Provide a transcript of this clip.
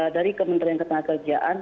dari kementerian ketengah kerjaan